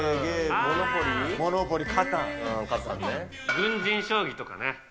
軍人将棋とかね。